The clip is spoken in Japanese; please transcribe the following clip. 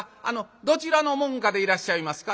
どちらの門下でいらっしゃいますか？」。